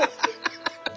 ハハハハ。